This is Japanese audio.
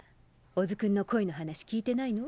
小津君の恋の話聞いてないの？